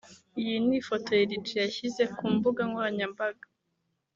Iyi ni ifoto Lil G yashyize ku mbuga nkoranyambaga